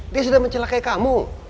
dia sudah mencelakai kamu